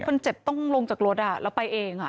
คนเจ็บต้องลงจากรถแล้วไปเอง